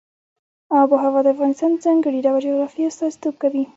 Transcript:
آب وهوا د افغانستان د ځانګړي ډول جغرافیه استازیتوب کوي.